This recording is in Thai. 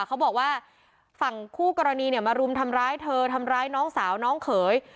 เขาบอกว่าฝั่งคู่กรณีเนี่ยมารุมทำร้ายเธอทำร้ายน้องสาวน้องเขย